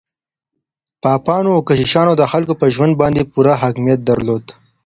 پاپانو او کشيشانو د خلګو پر ژوند باندې پوره حاکميت درلود.